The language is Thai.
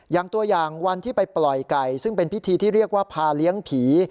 อย่างตัวอย่างวันที่ไปปล่อยไก่ซึ่งเป็นพิธีที่เรียกว่าพาเลี้ยงผี